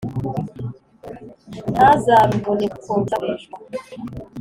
ntazaruvune kuko ruzakoreshwa.